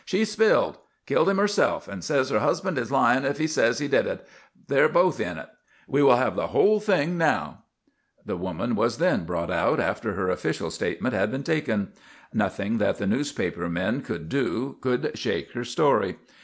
"She's 'spilled.' Killed him herself, and says her husband is lying if he says he did it. They're both in it. We will have the whole thing now." The woman was then brought out after her official statement had been taken. Nothing that the newspaper men could do could shake her story.